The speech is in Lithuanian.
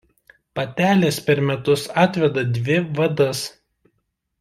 Patelės per metus atveda dvi vadas.